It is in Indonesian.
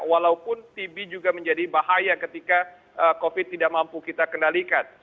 walaupun tb juga menjadi bahaya ketika covid tidak mampu kita kendalikan